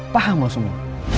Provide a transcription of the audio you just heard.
paham lo semua